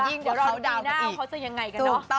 ยิ่งว่าเขาดาวน์กันอีก